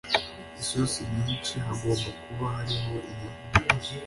isosi nyinshi hagomba kuba hariho inyama